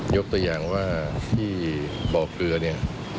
ยกตัวอย่างว่าที่บ่อเกลือเนี่ย